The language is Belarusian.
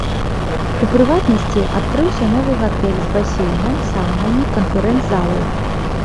У прыватнасці, адкрыўся новы гатэль з басейнам, саунамі, канферэнц-залай.